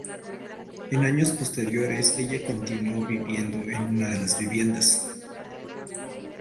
En años posteriores, ella continuó viviendo en una de las viviendas.